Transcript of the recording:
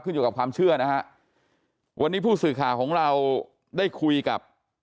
อยู่กับความเชื่อนะฮะวันนี้ผู้สื่อข่าวของเราได้คุยกับ